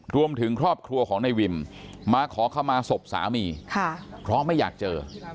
รวมถึงครอบครัวของนายวิมมาขอเข้ามาศพสามีเพราะไม่อยากเจอ